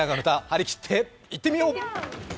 張り切っていってみよう！